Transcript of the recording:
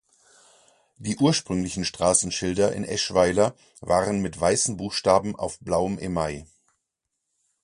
Die ursprünglichen Straßenschilder in Eschweiler waren mit weißen Buchstaben auf blauem Email.